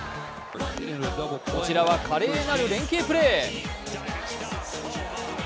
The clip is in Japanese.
こちらは華麗なる連係プレー。